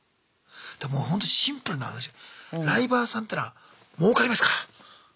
もうほんとシンプルな話ライバーさんってのはもうかりますか？